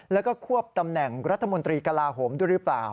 แล้วก็ควบตำแหน่งรัฐมนตรีกลาโหมด้วยหรือเปล่า